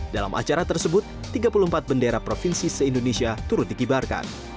dalam acara tersebut tiga puluh empat bendera provinsi se indonesia turut dikibarkan